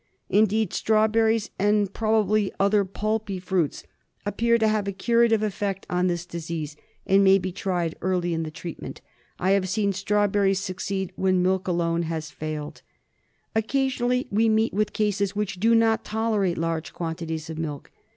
Indeed, strawberries, and probably other pulpy fruits, appear to have a curative effect on this disease, and may be tried early in the treatipent. I have seen strawberries succeed when milk alone has failed. Occasionally we meet with cases which do not tolerate large quantities of milk.